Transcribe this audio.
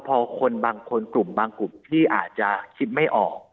พอคนบางคนกลุ่มบางกลุ่มที่อาจจะคิดไม่ออก